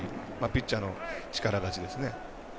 ピッチャーの力勝ちですね。